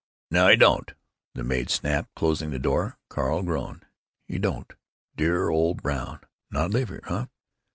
"No, 'e don't," the maid snapped, closing the door. Carl groaned: "He don't? Dear old Brown? Not live here?